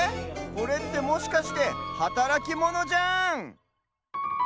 これってもしかしてはたらきモノじゃん！